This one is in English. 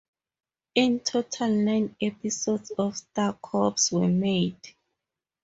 In total nine episodes of "Star Cops" were made.